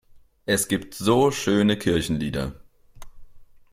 Es gibt so schöne Kirchenlieder!